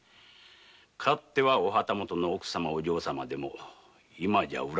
かつてはお旗本の奥様お嬢様でも今じゃ裏長屋の。